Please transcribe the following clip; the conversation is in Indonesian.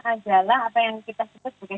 adalah apa yang kita sebut sebagai